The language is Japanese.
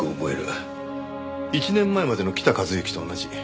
１年前までの北一幸と同じ。